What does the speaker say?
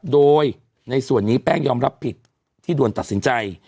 โดยในส่วนนี้แป้งยอมรับผิดที่ด่วนตัดสินใจ